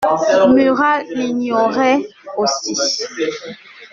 Murat l'ignorait aussi.